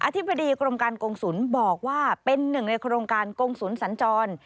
ธิบดีกรมการกงศูนย์บอกว่าเป็นหนึ่งในโครงการกงศูนย์สัญจร